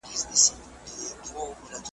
هغه خلګ ظالمان دي چي توبه نه کوي.